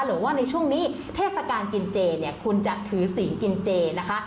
หรือว่าในช่วงนี้เทศกาลกินเจเนี่ยคุณจะถือศีลกินเจนะคะ